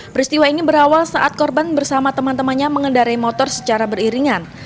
peristiwa ini berawal saat korban bersama teman temannya mengendari motor secara beriringan